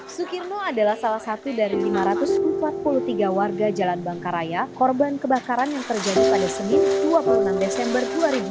sukirno adalah salah satu dari lima ratus empat puluh tiga warga jalan bangkaraya korban kebakaran yang terjadi pada senin dua puluh enam desember dua ribu dua puluh